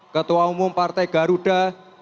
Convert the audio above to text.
ketua umum partai garuda